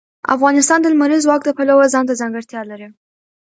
افغانستان د لمریز ځواک د پلوه ځانته ځانګړتیا لري.